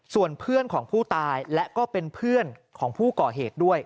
ส่วนเพื่อนของผู้ตายและก็เป็นเพื่อนของผู้ก่อเหตุด้วย